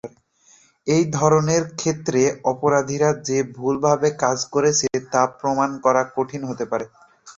এই ধরনের ক্ষেত্রে, অপরাধীরা যে ভুলভাবে কাজ করেছে, তা প্রমাণ করা কঠিন হতে পারে।